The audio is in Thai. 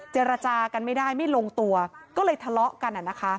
เจรจากันไม่ได้ไม่ลงตัวก็เลยทะเลาะกัน